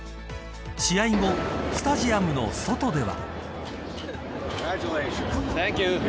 試合後、スタジアムの外では。